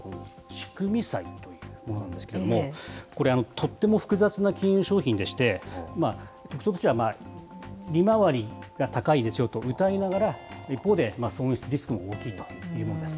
仕組み債というものなんですけれども、これ、とっても複雑な金融商品でして、特徴としては利回りが高いですよとうたいながら、一方で損失リスクも大きいというものです。